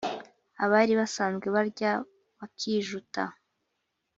Abari basanzwe barya bakijuta,